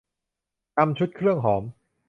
นำชุดเครื่องหอม